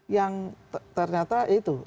yang ternyata itu